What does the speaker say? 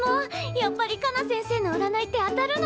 やっぱりカナ先生のうらないって当たるのかな？